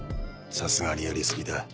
さすがにやり過ぎだ。